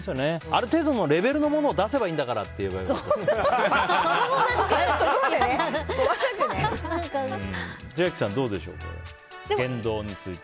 ある程度のレベルのものを出せばいいんだからってそんな問題じゃない。